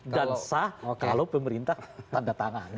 dan sah kalau pemerintah tanda tangan